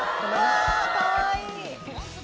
かわいい！